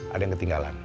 ada yang ketinggalan